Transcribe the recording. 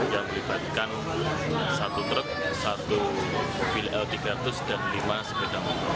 yang melibatkan satu truk satu mobil l tiga ratus dan lima sepeda motor